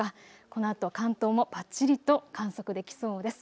このあと、関東もばっちりと観測できそうです。